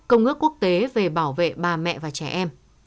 công ước quốc tế về bảo vệ bà mẹ và trẻ em